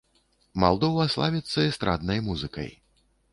Малдова славіцца эстраднай музыкай.